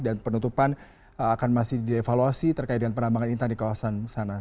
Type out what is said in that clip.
dan penutupan akan masih direvaluasi terkait dengan penambangan intan di kawasan sana